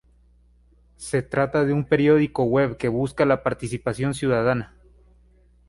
Se trata de un periódico web que busca la participación ciudadana.